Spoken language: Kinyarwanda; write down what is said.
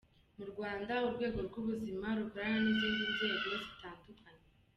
Mu Rwanda urwego rw’ubuzima rukorana n’izindi nzego zitandukanye.